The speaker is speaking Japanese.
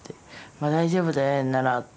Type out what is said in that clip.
「まあ大丈夫だよ綾乃なら」って。